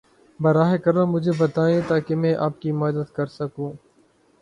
براہ کرم مجھے بتائیں تاکہ میں آپ کی مدد کر سکوں۔